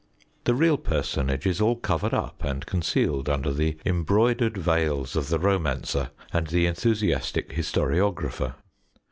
The real personage is all covered up and concealed under the embroidered veils of the romancer and the enthusiastic historiographer.